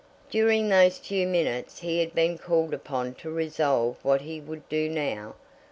During those few minutes he had been called upon to resolve what he would do now.